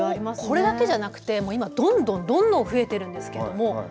これだけじゃなくて今どんどんどんどん増えているんですけれども。